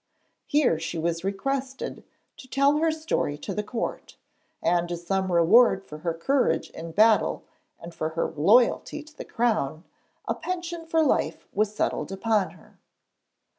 Here she was requested to tell her story to the court, and as some reward for her courage in battle and for her loyalty to the crown, a pension for life was settled upon her.